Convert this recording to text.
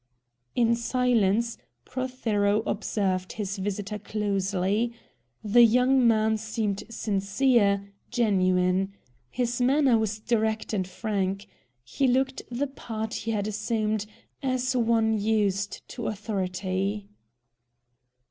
In silence, Prothero observed his visitor closely. The young man seemed sincere, genuine. His manner was direct and frank. He looked the part he had assumed, as one used to authority.